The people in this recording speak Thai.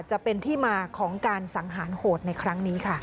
จะเป็นที่มาของการสังหารโหดในครั้งนี้ค่ะ